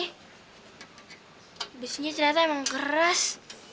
habisnya ternyata emang keras